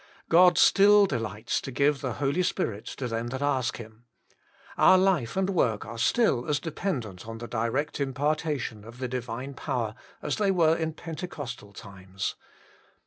God still delights to give the Holy Spirit to them that ask Him. Our life and work are still as dependent on the direct impartation of Divine power as they were in Pentecostal times.